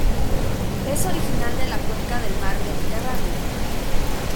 Es original de la cuenca del mar Mediterráneo.